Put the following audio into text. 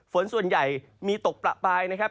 ฝนส่วนใหญ่มีตกประปายนะครับ